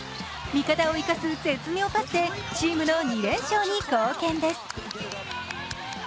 味方を生かす絶妙パスでチームの２連勝に貢献です。